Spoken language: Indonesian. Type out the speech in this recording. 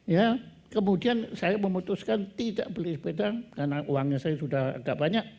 ya kemudian saya memutuskan tidak beli sepeda karena uangnya saya sudah agak banyak